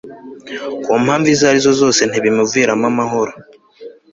ku mpamvu izo ari zo zose ntibimuviramo amahoro